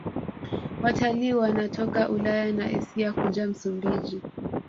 Watalii wanatoka Ulaya na Asia kuja Msumbiji